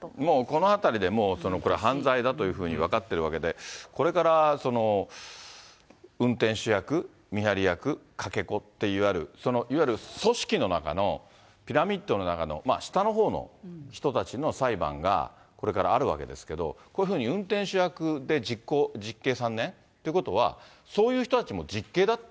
このあたりでもう、犯罪だというふうに分かってるわけで、これから運転手役、見張り役、かけ子って、いわゆる組織の中の、ピラミッドの中の下のほうの人たちの裁判が、これからあるわけですけど、こういうふうに運転手役で実刑３年ということは、そういう人たちも実刑だと？